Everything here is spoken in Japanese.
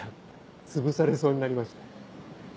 つぶされそうになりました。